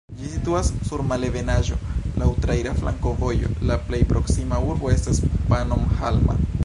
Ĝi situas sur malebenaĵo laŭ traira flankovojo, la plej proksima urbo estas Pannonhalma.